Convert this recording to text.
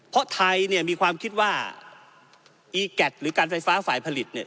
เพราะไทยเนี่ยมีความคิดว่าอีแก๊ตหรือการไฟฟ้าฝ่ายผลิตเนี่ย